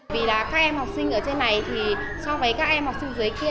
vì các em học sinh ở trên này so với các em học sinh dưới kia